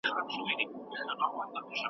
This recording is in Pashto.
اسلامي دولت پر اخلاقي فضایلو ترکیز کوي.